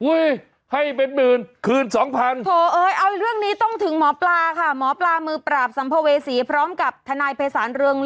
ให้เป็นหมื่นคืน๒๐๐๐